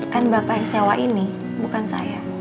kan bapak yang sewa ini bukan saya